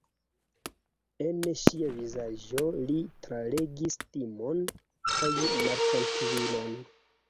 En ŝia vizaĝo li tralegis timon kaj maltrankvilon.